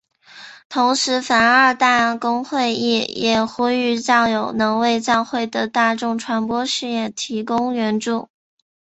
同时梵二大公会议也呼吁教友能为教会的大众传播事业提供援助。